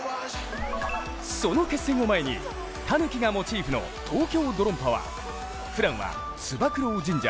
その決戦を前に、たぬきがモチーフの東京ドロンパはふだんは、つば九郎神社。